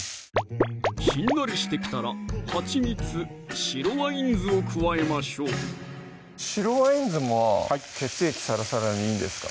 しんなりしてきたらはちみつ・白ワイン酢を加えましょう白ワイン酢も血液サラサラにいいんですか？